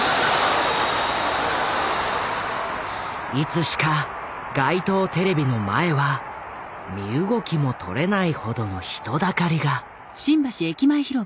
いつしか街頭テレビの前は身動きもとれないほどの人だかりが。